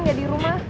gak di rumah